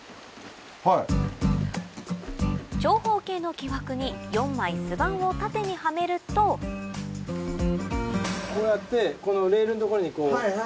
長方形の木枠に４枚巣板を縦にはめるとこうやってこのレールの所にこう。